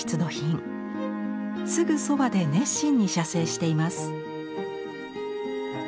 すぐそばで熱心に写生しています。